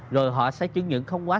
rồi họ sẽ chứng nhận không quá